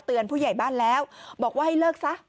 เตือนผู้ใหญ่บ้านแล้วบอกว่าให้เลิก